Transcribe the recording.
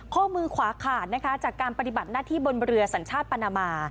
ข้อมือขวาขาดนะคะจากการปฏิบัติหน้าที่บนเรือสัญชาติปานามา